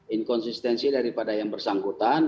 inkonsistensi daripada yang bersangkutan